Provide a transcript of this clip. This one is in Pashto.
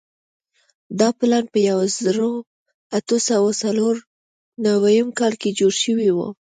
دا پلان په یوه زرو اتو سوو څلور نوېم کال کې جوړ شوی وو.